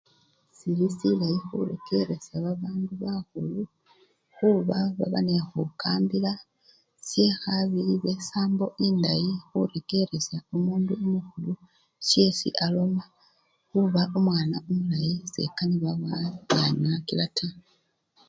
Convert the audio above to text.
siili silayi khurekeresya babandu bakhulu khuba baba nee khukambila, syekhabili eba esambo endayi khurekeresya umundu umukhulu syesi aloma, khuba umwana umulayi sekanibwa wachanyakila taa